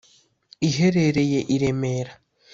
iherereye i Remera